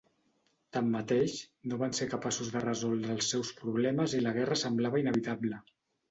Tanmateix, no van ser capaços de resoldre els seus problemes i la guerra semblava inevitable.